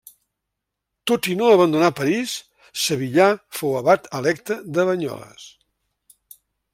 Tot i no abandonar París, Sevillà fou abat electe de Banyoles.